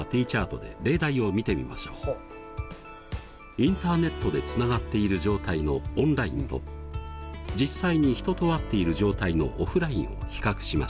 インターネットでつながっている状態の「オンライン」と実際に人と会っている状態の「オフライン」を比較しました。